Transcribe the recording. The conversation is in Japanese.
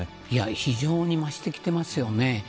非常に増してきてますよね。